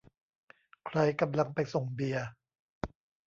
ใครกำลังไปส่งเบียร์ ?